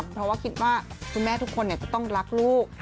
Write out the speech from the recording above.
เพราะว่าคิดว่าคุณแม่ทุกคนจะต้องรักลูก